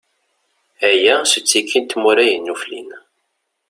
Aya, s uttiki n tmura yennuflin.